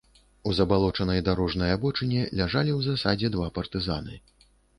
У забалочанай дарожнай абочыне ляжалі ў засадзе два партызаны.